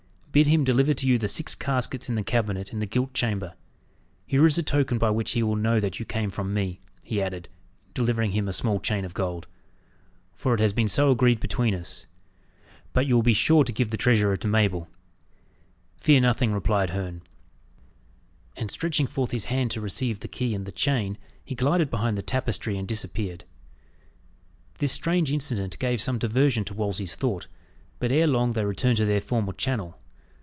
Bid him deliver to you the six caskets in the cabinet in the gilt chamber. Here is a token by which he will know that you came from me," he added, delivering him a small chain of gold, "for it has been so agreed between us. But you will be sure to give the treasure to Mabel." "Fear nothing," replied Herne. And stretching forth his hand to receive the key and the chain, he glided behind the tapestry, and disappeared. This strange incident gave some diversion to Wolsey's thought; but ere long they returned to their former channel.